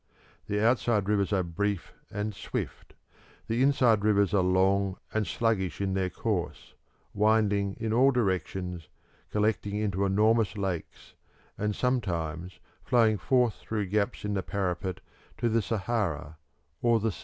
The outside rivers are brief and swift: the inside rivers are long and sluggish in their course, winding in all directions, collecting into enormous lakes, and sometimes flowing forth through gaps in the parapet to the Sahara or the sea.